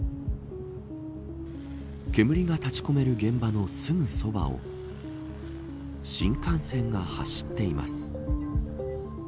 煙が立ち込める現場のすぐそばを新幹線が走っています。